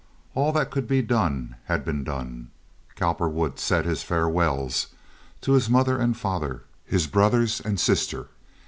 All that could be done had been done. Cowperwood said his farewells to his mother and father, his brothers and sister.